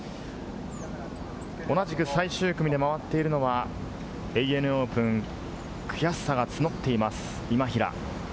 同じく最終組で回っているのは、ＡＮＡオープン、悔しさが募っています、今平。